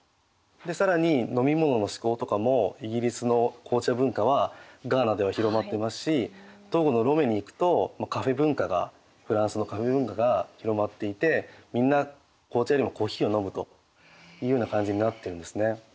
更に飲み物のしこうとかもイギリスの紅茶文化はガーナでは広まってますしトーゴのロメに行くとカフェ文化がフランスのカフェ文化が広まっていてみんな紅茶よりもコーヒーを飲むというような感じになってるんですね。